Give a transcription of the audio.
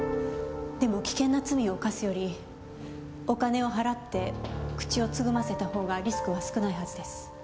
でも危険な罪を犯すよりお金を払って口をつぐませたほうがリスクは少ないはずです。